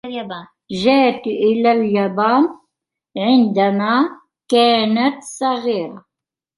جاءت اإلى اليابان عندما كانت صغيرة.